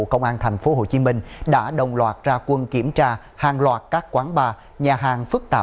công an thành phố hồ chí minh đã đồng loạt ra quân kiểm tra hàng loạt các quán bar nhà hàng phức tạp